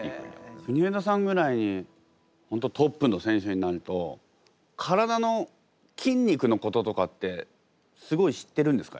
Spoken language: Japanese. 国枝さんぐらい本当トップの選手になると体の筋肉のこととかってすごい知ってるんですか？